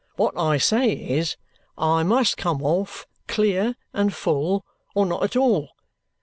What I say is, I must come off clear and full or not at all.